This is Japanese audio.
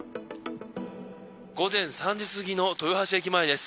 午前３時過ぎの豊橋駅前です。